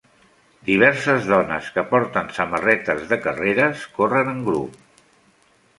Diverses dones que porten samarretes de carreres corren en grup.